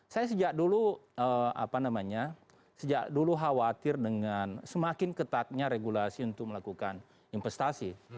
saya sejak dulu apa namanya sejak dulu khawatir dengan semakin ketatnya regulasi untuk melakukan investasi